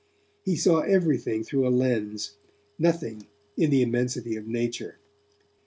He saw everything through a lens, nothing in the immensity of nature.